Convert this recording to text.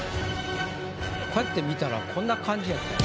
こうやって見たらこんな感じやったんや。